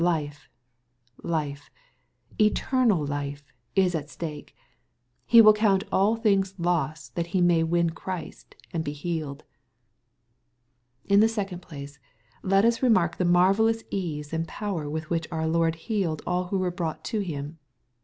Life, life, eternal life is at stake. He will count all things loss that he may win Christ, and be healed. In the second place. Jet us remark the marvdhua ease and power with which our Lord healed all who toere brought to Him.